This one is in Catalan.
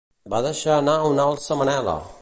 Va deixar anar un alça Manela!